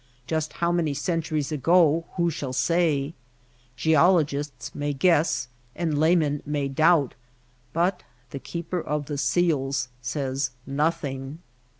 Just how many centuries ago who shall say ? Geologists may guess and laymen may doubt, but the Keeper of the Seals says noth ing.